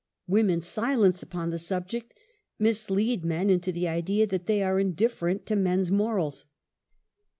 "Woman's silence upon the sub ject mislead men into the idea that they are indiffer ent to man's morals.